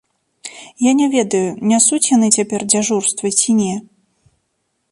Я не ведаю, нясуць яны цяпер дзяжурства ці не.